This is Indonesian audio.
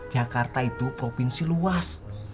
jakarta itu provinsi luas